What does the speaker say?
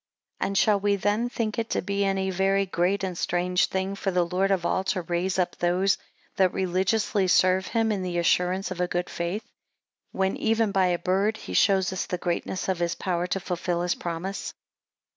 6 And shall we then think it to be any very great and strange thing for the Lord of all to raise up those that religiously serve him in the assurance of a good faith, when even by a bird he shows us the greatness of his power to fulfil his promise?